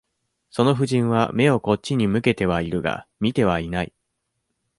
その夫人は、眼をこっちに向けてはいるが、見てはいない。